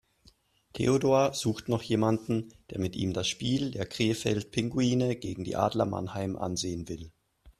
Theodor sucht noch jemanden, der mit ihm das Spiel der Krefeld Pinguine gegen die Adler Mannheim ansehen will.